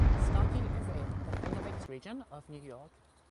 Starkey is in the Finger Lakes Region of New York.